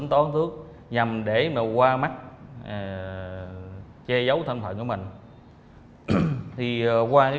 một kế hoạch hoàn hảo